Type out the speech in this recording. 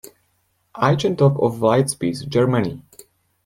Eichentopf of Leipzig, Germany.